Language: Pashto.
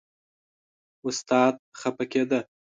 استاد خپه کېده.